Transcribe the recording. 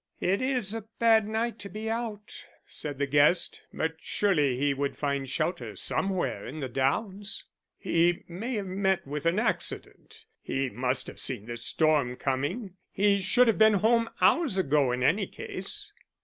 "It is a bad night to be out," said the guest. "But surely he would find shelter somewhere in the downs." "He may have met with an accident. He must have seen this storm coming. He should have been home hours ago in any case."